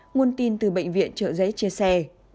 nguồn tin từ bệnh viện trợ giấy chia sẻ